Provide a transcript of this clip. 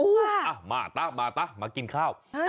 โอ้โฮอ่ะมามากินข้าว